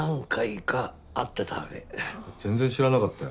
全然知らなかったよ。